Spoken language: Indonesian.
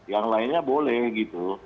yang lainnya boleh gitu